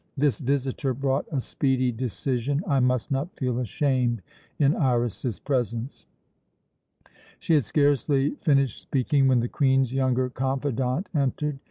"This visitor brought a speedy decision. I must not feel ashamed in Iras's presence." She had scarcely finished speaking when the Queen's younger confidante entered.